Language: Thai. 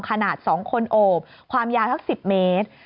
ขนาด๒คนโอบความยาวสัก๑๐เมตร